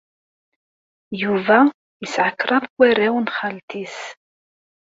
Yuba yesɛa kraḍ n warraw n xalti-s.